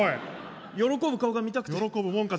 喜ぶ顔が見たくて。